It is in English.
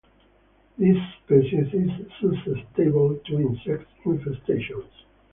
This species is susceptible to insect infestations.